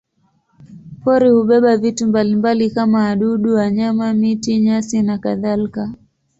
Pori hubeba vitu mbalimbali kama wadudu, wanyama, miti, nyasi nakadhalika.